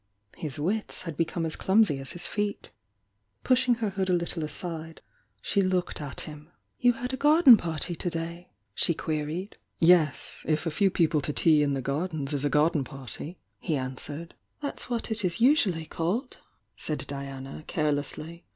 His wits had become as clumsy as his feet. Pushing her hoS a little aside, she looked at him. ^ You had a garden party to day?" she queried. 97S THE YOUNG DIANA "Yes,— if a few people to tea in the gardens ia a garden party," he answered. "That's what it is usually called," said Diana, carelessly.